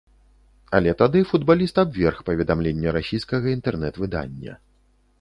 Але тады футбаліст абверг паведамленне расійскага інтэрнэт-выдання.